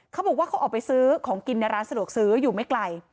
เขาบอกว่าเขาออกไปซื้อของกินในร้านสะดวกซื้ออยู่ไม่ไกล